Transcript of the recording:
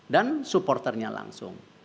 dan supporternya langsung